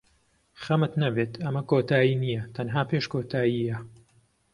خەمت نەبێت، ئەمە کۆتایی نییە، تەنها پێش کۆتایییە.